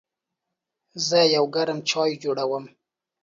زه یو ګرم چای جوړوم.